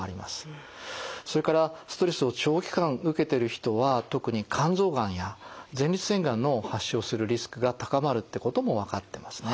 それからストレスを長期間受けてる人は特に肝臓がんや前立腺がんの発症するリスクが高まるってこともわかってますね。